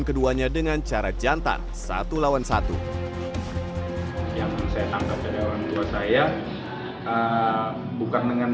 keduanya dengan cara jantan satu lawan satu yang saya tangkap dari orang tua saya bukan dengan